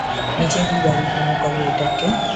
নিজের বাড়িই মনে করো এটাকে।